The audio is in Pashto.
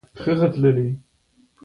ډرامه د هنر ښکلی ډول دی